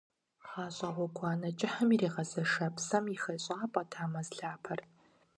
Гъащӏэ гъуэгуанэ кӏыхьым иригъэзэша псэм и хэщӏапӏэт а мэз лъапэр.